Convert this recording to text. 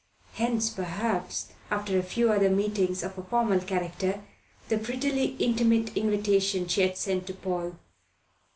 Hence, perhaps, after a few other meetings of a formal character, the prettily intimate invitation she had sent to Paul.